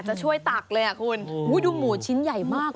จะช่วยตักเลยอ่ะคุณดูหมูชิ้นใหญ่มาก